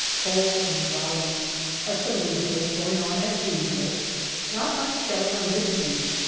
Cold and cloudy. Artillery duels going on as usual. Not much shelling on this beach.